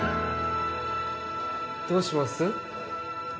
どうします？